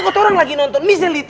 gue pake cagung mungkin